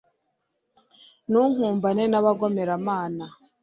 ntunkumbane n'abagomeramana